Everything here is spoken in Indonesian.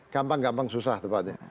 gampang gampang susah tepatnya